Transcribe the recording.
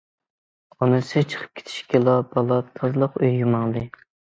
ئانىسى چىقىپ كېتىشىگىلا، بالا تازىلىق ئۆيىگە ماڭدى.